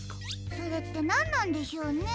それってなんなんでしょうね？